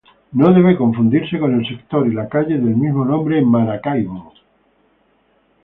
No debe confundirse con el sector y la calle del mismo nombre en Maracaibo.